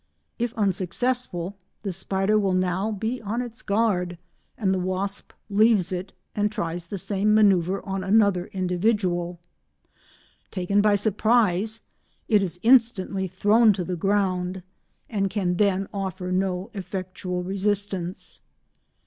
If unsuccessful, the spider will now be on its guard, and the wasp leaves it and tries the same manœuvre on another individual. Taken by surprise, it is instantly thrown to the ground, and can then offer no effectual resistance.